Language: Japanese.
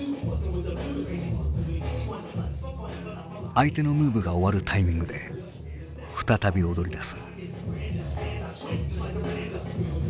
相手のムーブが終わるタイミングで再び踊りだす。